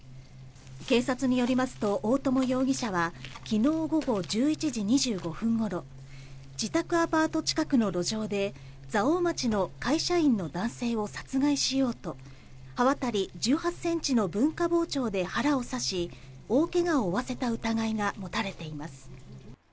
警察によりますと大友容疑者は昨日午後１１時２５分頃、自宅アパート近くの路上で、蔵王町の会社員の男性を殺害しようと、刃渡り１８センチの文化包丁で腹を刺し、大けがを負わせた疑いが持たれています。